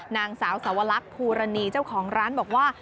นางสาวสวรรคภูรณีเจ้าของร้านบอกว่า